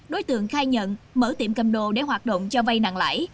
đối tượng khai nhận mở tiệm cầm đồ để hoạt động cho vay nặng lãi